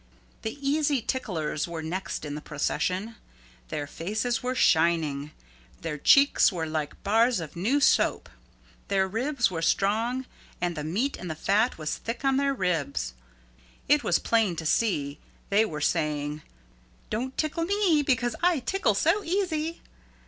The Easy Ticklers were next in the procession. Their faces were shining. Their cheeks were like bars of new soap. Their ribs were strong and the meat and the fat was thick on their ribs. It was plain to see they were saying, "Don't tickle me because I tickle so easy."